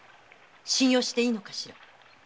信用していいのかしら？